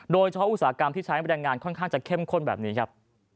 อุตสาหกรรมที่ใช้แรงงานค่อนข้างจะเข้มข้นแบบนี้ครับ